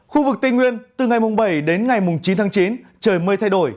khu vực tây nguyên từ ngày bảy đến ngày chín tháng chín trời mây thay đổi